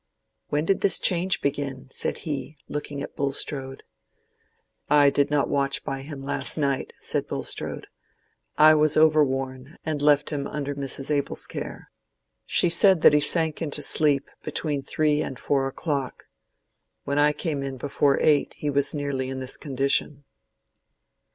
"When did this change begin?" said he, looking at Bulstrode. "I did not watch by him last night," said Bulstrode. "I was over worn, and left him under Mrs. Abel's care. She said that he sank into sleep between three and four o'clock. When I came in before eight he was nearly in this condition."